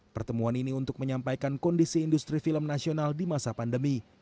pertemuan ini untuk menyampaikan kondisi industri film nasional di masa pandemi